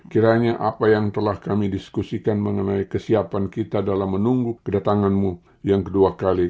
kiranya apa yang telah kami diskusikan mengenai kesiapan kita dalam menunggu kedatanganmu yang kedua kali